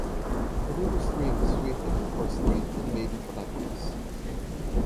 The navel-string is swathed in fur-string and made into a necklace.